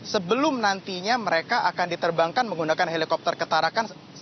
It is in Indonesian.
sebelum nantinya mereka akan diterbangkan menggunakan helikopter ketara kerasa